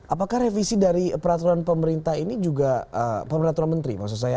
apakah revisi dari peraturan pemerintah ini juga peraturan menteri maksud saya